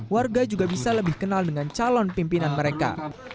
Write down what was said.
warga juga bisa lebih kenal dengan calon pimpinan mereka